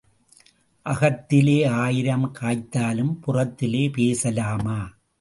அகத்திலே ஆயிரம் காய்த்தாலும் புறத்திலே பேசலாமா?